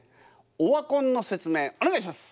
オワコンの説明お願いします。